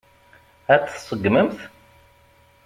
Ad t-tseggmemt?